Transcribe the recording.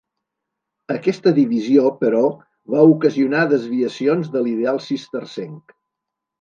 Aquesta divisió, però, va ocasionar desviacions de l'ideal cistercenc.